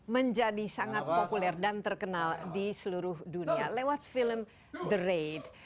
menjadi sangat populer dan terkenal di seluruh dunia lewat film the raid